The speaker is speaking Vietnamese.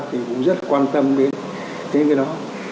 thì cụ rất quan tâm đến cái đó